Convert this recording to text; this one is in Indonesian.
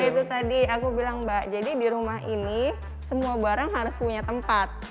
ya itu tadi aku bilang mbak jadi di rumah ini semua barang harus punya tempat